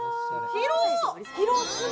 広っ。